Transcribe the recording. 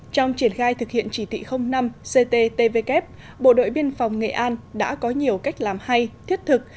trong triển khai thực hiện chỉ thị năm cttvk bộ đội biên phòng nghệ an đã có nhiều cách làm hay thiết thực